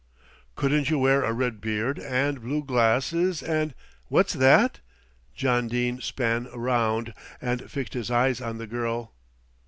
"Couldn't you wear a red beard and blue glasses and " "What's that?" John Dene span round and fixed his eyes on the girl.